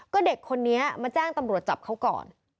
ก็เด็กคนนี้มาแจ้งตำรวจจับเขาก่อน